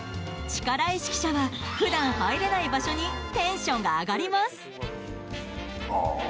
力石記者は普段入れない場所にテンションが上がります。